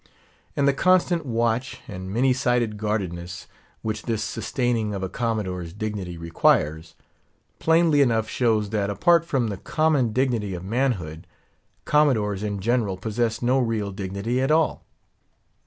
And the constant watch, and many sided guardedness, which this sustaining of a Commodore's dignity requires, plainly enough shows that, apart from the common dignity of manhood, Commodores, in general possess no real dignity at all.